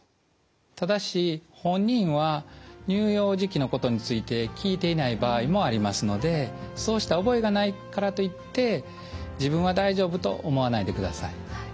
ただし本人は乳幼児期のことについて聞いていない場合もありますのでそうした覚えがないからといって自分は大丈夫と思わないでください。